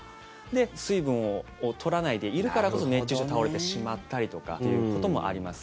水分を取らないでいるからこそ熱中症で倒れてしまったりとかっていうこともあります。